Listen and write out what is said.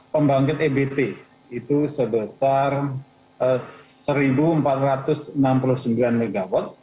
pembangkit ebt itu sebesar satu empat ratus enam puluh sembilan mw